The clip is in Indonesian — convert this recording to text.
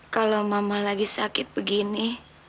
kalau mama lagi sakit begini